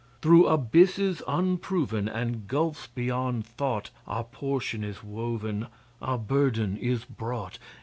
Through abysses unproven, And gulfs beyond thought, Our portion is woven, Our burden is brought.